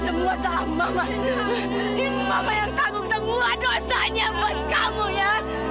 semua sama yang tanggung semua dosanya buat kamu ya